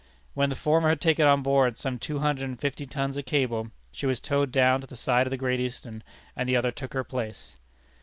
When the former had taken on board some two hundred and fifty tons of cable, she was towed down to the side of the Great Eastern, and the other took her place.